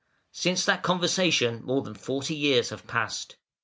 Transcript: Since that conversation more than forty years have passed.